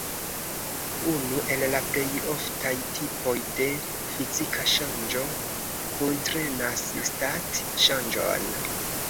Unu el la plej oftaj tipoj de fizika ŝanĝo kuntrenas stat-ŝanĝon.